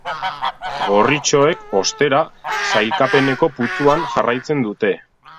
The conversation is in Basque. Gorritxoek, ostera, sailkapeneko putzuan jarraitzen dute.